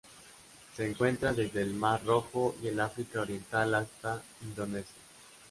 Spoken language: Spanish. Se encuentra desde el Mar Rojo y el África Oriental hasta Indonesia.